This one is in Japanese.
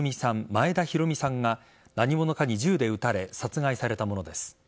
前田寛美さんが何者かに銃で撃たれ殺害されたものです。